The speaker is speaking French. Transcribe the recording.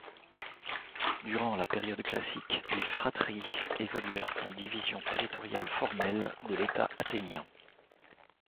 Durant la période classique, les phratries évoluèrent en divisions territoriales formelles de l'État athénien.